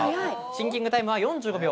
シンキングタイムは４５秒。